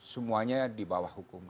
semuanya di bawah hukum